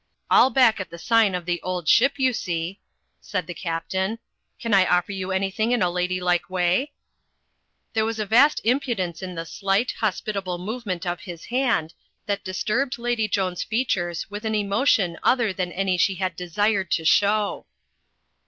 "AU back at the sign of The Old Ship,' you see," said the Captain. "Can I offer you an3rthing in a lady like way?" There was a vast impudence in the slight, hospitable movement of his hand, that disturbed Lady Joan's fea tures with an emotion other than any that she desired to show.